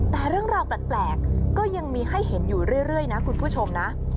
แต่เรื่องราวแปลกก็ยังมีให้เห็นอยู่เรื่อยนะคุณผู้ชมนะ